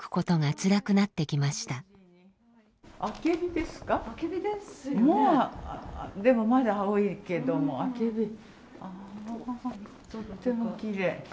とってもきれい。